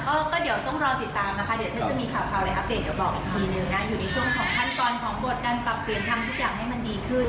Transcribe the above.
นะเล่าค่ะก็ก็เดี๋ยวต้องรอติดตามนะคะเดี๋ยวจะมีค่าอะไรอัพเดทก็จะบอกมีนึงนะอยู่ในช่วงของขั้นส่วนของบทกันปรับเปลี่ยนทำทุกอย่างให้มันดีขึ้น